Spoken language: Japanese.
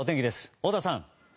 太田さん。